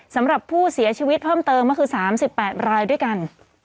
สำหรับผู้เสียชีวิตเพิ่มเติมก็คือ๓๘รายด้วยกัน